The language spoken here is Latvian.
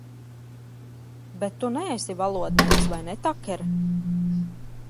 Bet tu neesi valodnieks, vai ne, Taker?